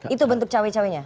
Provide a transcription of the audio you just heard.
itu bentuk cewek ceweknya